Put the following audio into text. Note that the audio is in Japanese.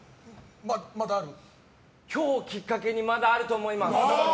今日をきっかけにまだあると思います！